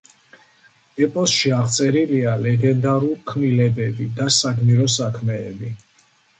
ეპოსში აღწერილია ლეგენდარულ ქმნილებები და საგმირო საქმეები.